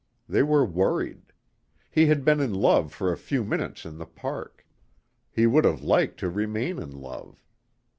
They were worried. He had been in love for a few minutes in the park. He would have liked to remain in love.